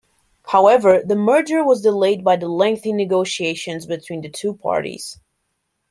However the merger was delayed by the lengthy negotiations between the two parties.